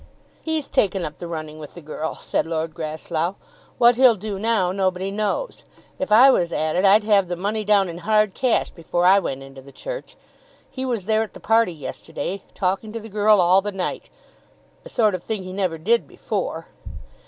"He's taken up the running with the girl," said Lord Grasslough. "What he'll do now, nobody knows. If I was at it, I'd have the money down in hard cash before I went into the church. He was there at the party yesterday, talking to the girl all the night; a sort of thing he never did before.